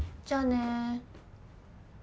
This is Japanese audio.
じゃあね。